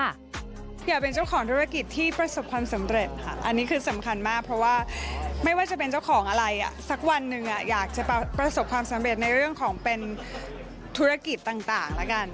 อันนี้คือสำคัญมากเพราะว่าไม่ว่าจะเป็นเจ้าของอะไรอ่ะสักวันหนึ่งอ่ะอยากจะประสบความสำเร็จในเรื่องของเป็นธุรกิจต่างแล้วกัน